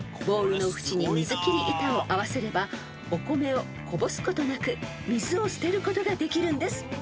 ［ボウルの縁に水切り板を合わせればお米をこぼすことなく水を捨てることができるんです］